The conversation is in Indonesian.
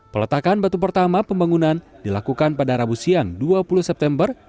peletakan batu pertama pembangunan dilakukan pada rabu siang dua puluh september